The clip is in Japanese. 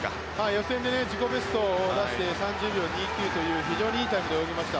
予選で自己ベストを出して３０秒２９という非常にいいタイムで泳ぎました。